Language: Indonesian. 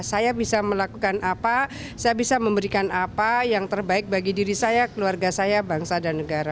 saya bisa melakukan apa saya bisa memberikan apa yang terbaik bagi diri saya keluarga saya bangsa dan negara